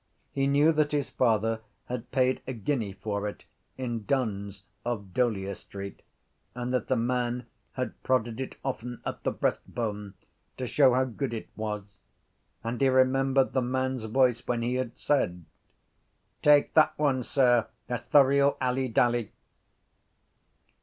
He knew that his father had paid a guinea for it in Dunn’s of D’Olier Street and that the man had prodded it often at the breastbone to show how good it was: and he remembered the man’s voice when he had said: —Take that one, sir. That’s the real Ally Daly.